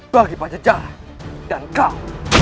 bagi panjajaran dan kau